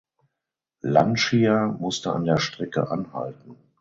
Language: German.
Lancia musste an der Strecke anhalten.